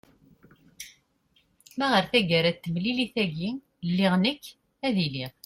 ma ɣer tagara n temlilit-agi lliɣ nekk ad iliɣ